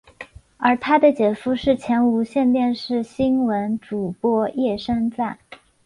而他的姐夫是前无线电视新闻主播叶升瓒。